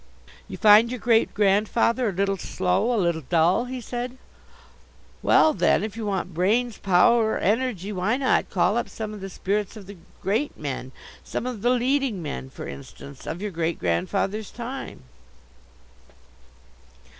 "You find your great grandfather a little slow, a little dull?" he said. "Well, then, if you want brains, power, energy, why not call up some of the spirits of the great men, some of the leading men, for instance, of your great grandfather's time?"